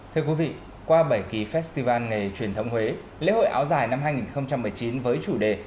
thưa quý vị qua bảy kỳ festival nghề truyền thống huế lễ hội áo dài năm hai nghìn một mươi chín với chủ đề